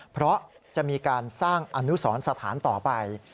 เพราะจะมีการสร้างอนุสรสถานต่อไป